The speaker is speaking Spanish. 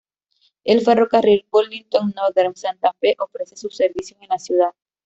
El ferrocarril Burlington Northern Santa Fe ofrece sus servicios en la ciudad.